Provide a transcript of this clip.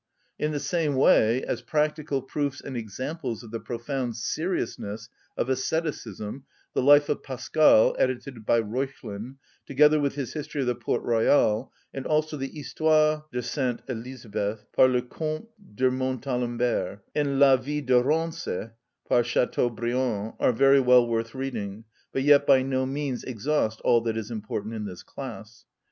In the same way, as practical proofs and examples of the profound seriousness of asceticism, the life of Pascal, edited by Reuchlin, together with his history of the Port‐Royal, and also the Histoire de Sainte Elisabeth, par le comte de Montalembert, and La vie de Rancé, par Chateaubriand, are very well worth reading, but yet by no means exhaust all that is important in this class.